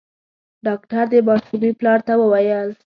ډاکټر د ماشومي پلار ته وويل :